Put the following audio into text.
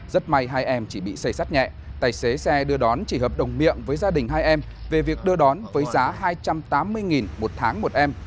rất may hai em chỉ bị xây sắt nhẹ tài xế xe đưa đón chỉ hợp đồng miệng với gia đình hai em về việc đưa đón với giá hai trăm tám mươi một tháng một em